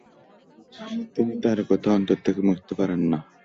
তিনি তার কথা অন্তর থেকে মুছতে পারেন না।